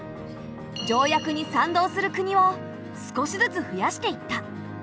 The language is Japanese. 条約に賛同する国を少しずつ増やしていった。